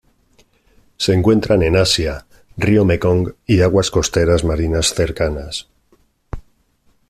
Se encuentran en Asia: río Mekong y aguas costeras marinas cercanas.